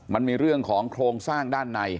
มันมีเรื่องของโครงสร้างด้านใน